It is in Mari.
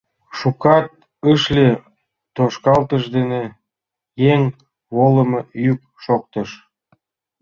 Шукат ыш лий тошкалтыш дене еҥ волымо йӱк шоктыш.